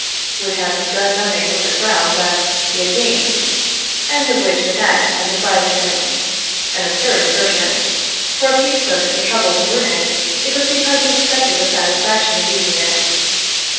would have done nothing with the crown that he had gained, and of which the tax had deprived him; an absurd assertion, for if he took the trouble to earn it, it was because he expected the satisfaction of using it.